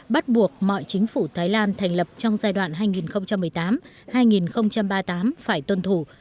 bắt buộc mọi chính phủ thái lan thành lập trong giai đoạn hai nghìn một mươi tám hai nghìn ba mươi tám phải tuân thủ